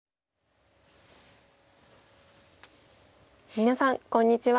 皆さんこんにちは。